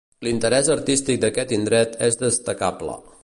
L'interès artístic d'aquest indret és destacable.